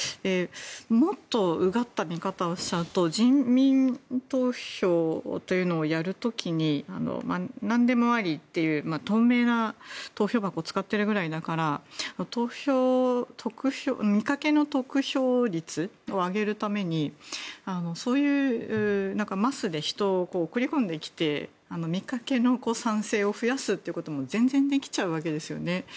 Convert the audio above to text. もっとうがった見方をしちゃうと住民投票というのをやる時に何でもありという透明な投票箱を使っているくらいだから見かけの得票率を上げるためにそういうマスで人を送り込んできてみかけの賛成を増やすということも全然できちゃうわけですよね。